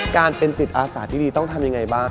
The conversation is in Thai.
การเป็นจิตอาสาที่ดีต้องทำยังไงบ้าง